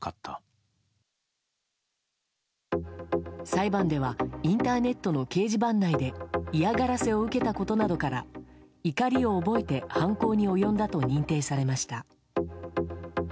裁判ではインターネットの掲示板内で嫌がらせを受けたことなどから怒りを覚えて犯行に及んだと認定されました。